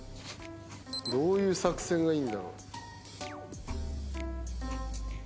どういう作戦がいいんだろう？